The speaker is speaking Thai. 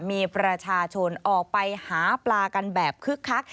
มีประชาชนออกไปหาปลากันแบบคึกคัก